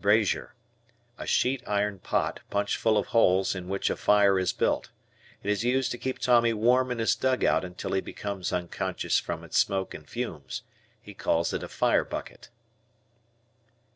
Brazier. A sheet iron pot punched full of holes in which a fire is built. It is used to keep Tommy warm in his dugout until he becomes unconscious from its smoke and fumes. He calls it a "fire bucket."